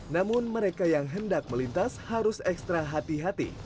namun mereka yang hendak melintas harus ekstra hati hati